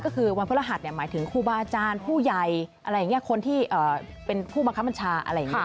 คือวันพระรหัสหมายถึงครูบาอาจารย์ผู้ใหญ่คนที่เป็นผู้บังคับบัญชา